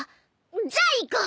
じゃあ行こう！